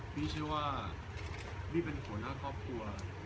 พี่เชื่อว่าพี่เป็นหัวหน้าครอบครัว